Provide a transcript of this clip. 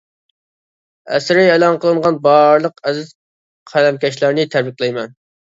ئەسىرى ئېلان قىلىنغان بارلىق ئەزىز قەلەمكەشلەرنى تەبرىكلەيمەن.